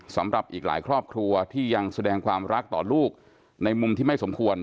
สำหรับอีกหลายครอบครัวที่ยังแสดงความรักต่อลูกในมุมที่ไม่สมควร